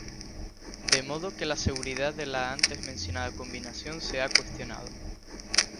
De modo que la seguridad de la antes mencionada combinación se ha cuestionado.